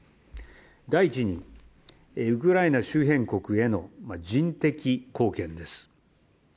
第１に、ウクライナ周辺国への人的貢献です。